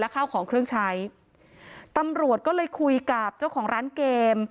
ข้าวของเครื่องใช้ตำรวจก็เลยคุยกับเจ้าของร้านเกม